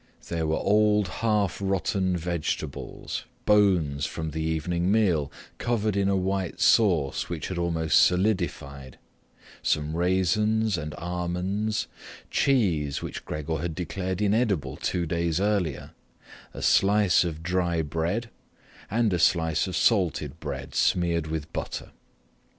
There were old half rotten vegetables, bones from the evening meal, covered with a white sauce which had almost solidified, some raisins and almonds, cheese which Gregor had declared inedible two days earlier, a slice of dry bread, and a slice of salted bread smeared with butter.